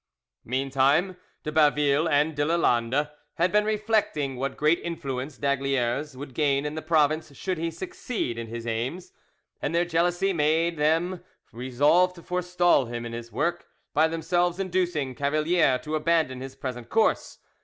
Meantime de Baville and de Lalande had been reflecting what great influence d'Aygaliers would gain in the province should he succeed in his aims, and their jealousy had made them resolve to forestall him in his work, by themselves inducing Cavalier to abandon his present course.